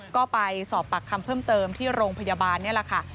ก็ไปสอบปากคำเพิ่มเติมที่โรงพยาบาลนี่แหละค่ะ